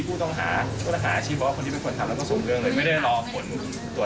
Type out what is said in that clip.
ผมควรไปลองมาเสียงการให้ด้วยว่าน้องเขา